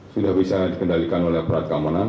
sudah bisa dikendalikan oleh aparat keamanan